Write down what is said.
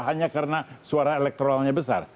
hanya karena suara elektoralnya besar